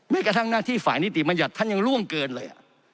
กระทั่งหน้าที่ฝ่ายนิติบัญญัติท่านยังล่วงเกินเลย